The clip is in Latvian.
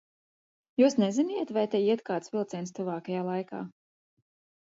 Jūs neziniet, vai te iet kāds vilciens tuvākajā laikā?